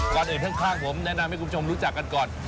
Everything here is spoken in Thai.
ก่อนอื่นข้างผมแนะนำให้คุณผู้ชมรู้จักกันก่อน